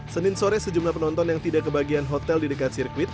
senin sore sejumlah penonton yang tidak kebagian hotel di dekat sirkuit